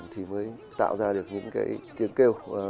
thì mới tạo ra được những cái tiếng kêu